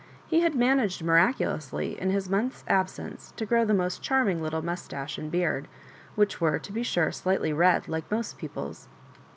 He had managed miraculously in his month's absence to grow the most charming little mustache and beard, which were, to be sure, slightly red, like most people's.